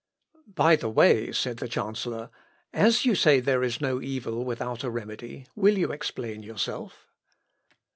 "By the way," said the chancellor, "as you say there is no evil without a remedy, will you explain yourself?"